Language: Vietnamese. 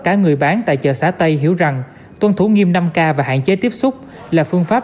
cả người bán tại chợ xã tây hiểu rằng tuân thủ nghiêm năm k và hạn chế tiếp xúc là phương pháp